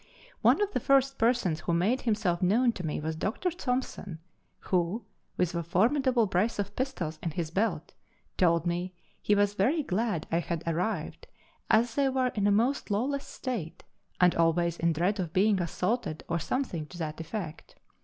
One of the first persons who made himself known to me was Dr. Thomson, who, with a formidable brace of pistols in his belt, told me he was very glad I had arrived, as they were in a most lawless state, and always in dread of being assaulted or something to that effect.